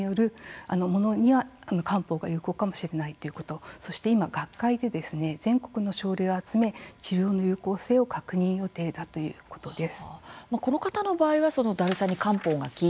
漢方に詳しい並木先生によると全身症状のけん怠感によるものには漢方が有効かもしれないということ、そして今学会で全国の症例を集め治療の有効性を確認予定だということです。